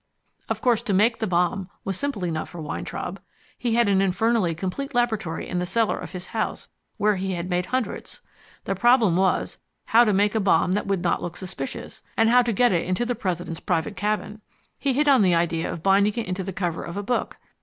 "Of course to make the bomb was simple enough for Weintraub. He had an infernally complete laboratory in the cellar of his house, where he had made hundreds. The problem was, how to make a bomb that would not look suspicious, and how to get it into the President's private cabin. He hit on the idea of binding it into the cover of a book.